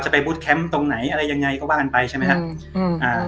ไปบูธแคมป์ตรงไหนอะไรยังไงก็ว่ากันไปใช่ไหมครับอืมอ่า